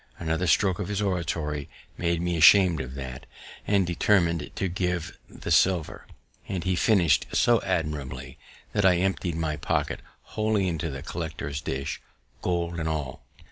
Another stroke of his oratory made me asham'd of that, and determin'd me to give the silver; and he finish'd so admirably, that I empty'd my pocket wholly into the collector's dish, gold and all.